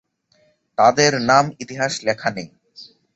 তাদের নাম ইতিহাস লেখা নেই।